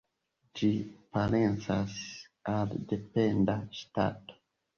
Ĝi parencas al dependa ŝtato.